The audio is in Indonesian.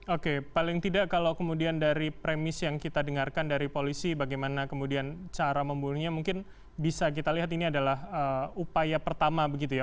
oke paling tidak kalau kemudian dari premis yang kita dengarkan dari polisi bagaimana kemudian cara membunuhnya mungkin bisa kita lihat ini adalah upaya pertama begitu ya